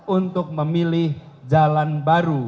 untuk memilih jalan baru